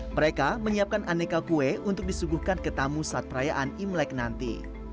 mereka menyiapkan aneka kue untuk disuguhkan ketamu saat perayaan imlek nanti